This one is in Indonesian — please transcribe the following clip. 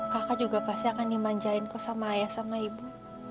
kakak juga pasti akan dimanjain sama ayah sama ibu